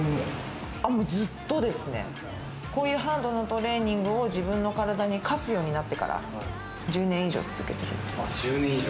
こういうハードなトレーニングを自分の体に課すようになってから１０年以上続けている。